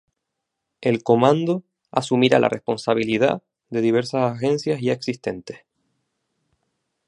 El comando asumirá la responsabilidad de diversas agencias ya existentes.